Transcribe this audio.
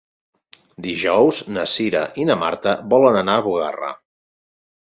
Dijous na Cira i na Marta volen anar a Bugarra.